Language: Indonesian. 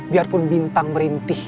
biarpun bintang merintih